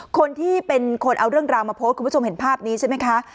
คนที่เป็นคนเอาเรื่องราวมาโพสต์คุณผู้ชมเห็นภาพนี้ใช่ไหมคะ